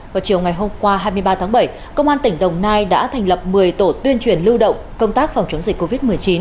vào chiều ngày hôm qua hai mươi ba tháng bảy công an tỉnh đồng nai đã thành lập một mươi tổ tuyên truyền lưu động công tác phòng chống dịch covid một mươi chín